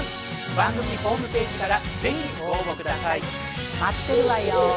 番組ホームページから是非ご応募下さい！